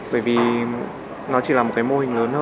bởi vì nó chỉ là một cái mô hình lớn hơn